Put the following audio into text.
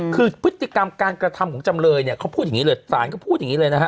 คือพฤติกรรมการกระทำของจำเลยเนี่ยเขาพูดอย่างนี้เลยสารก็พูดอย่างนี้เลยนะฮะ